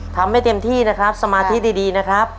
ทำให้เต็มที่นะครับสมาธิดีนะครับ